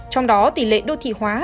trong đó tỷ lệ đô thị hóa